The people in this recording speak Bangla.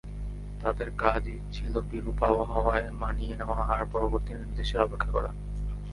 তাদের কাজ ছিল বিরূপ আবহাওয়ায় মানিয়ে নেওয়া আর পরবর্তী নির্দেশের অপেক্ষা করা।